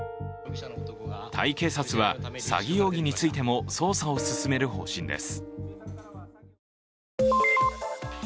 タイ警察は、詐欺容疑についても捜査を進める方針です。